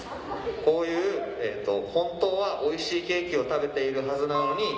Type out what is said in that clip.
こういう本当はおいしいケーキを食べているはずなのに。